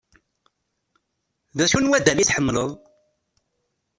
D acu n waddal i tḥemmleḍ?